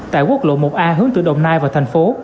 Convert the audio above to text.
tại quốc lộ một a hướng từ đồng nai vào thành phố